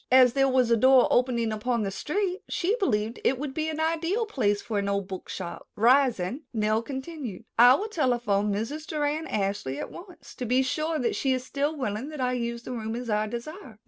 As there was a door opening upon the street, she believed it would be an ideal place for an old book shop. Rising, Nell continued: "I will telephone Mrs. Doran Ashley at once to be sure that she is still willing that I use the room as I desire."